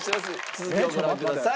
続きをご覧ください。